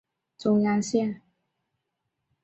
中央线